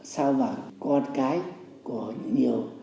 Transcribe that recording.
sao mà con cái của nhiều